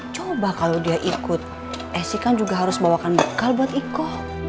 coba kalau dia ikut aceh kan juga harus bawakan bekal buat eko